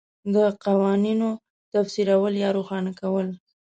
د قوانینو تفسیرول یا روښانه کول